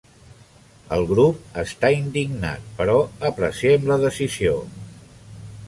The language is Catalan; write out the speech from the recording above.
El grup està indignat, però apreciem la decisió.